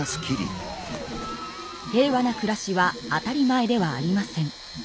平和な暮らしは当たり前ではありません。